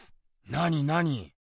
なになに？